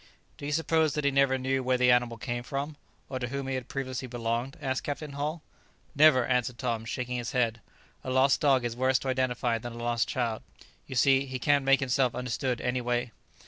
"Do you suppose that he never knew where the animal came from, or to whom he had previously belonged?" asked Captain Hull. "Never," answered Tom, shaking his head; "a lost dog is worse to identify than a lost child; you see, he can't make himself understood any way."